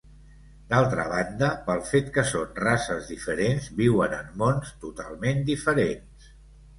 D'altra banda, pel fet que són races diferents viuen en mons totalment diferents.